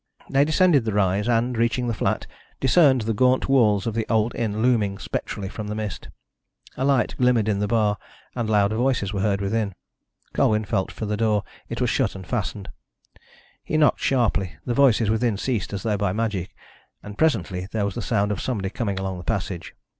They descended the rise and, reaching the flat, discerned the gaunt walls of the old inn looming spectrally from the mist. A light glimmered in the bar, and loud voices were heard within. Colwyn felt for the door. It was shut and fastened. He knocked sharply; the voices within ceased as though by magic, and presently there was the sound of somebody coming along the passage.